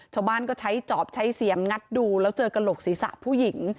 ชาวบ้านก็ใช้จอบใช้เสียมงัดดูแล้วเจอกระโหลกศีรษะผู้หญิง